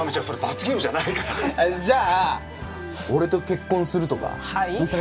それ罰ゲームじゃないからじゃあ俺と結婚するとかはい？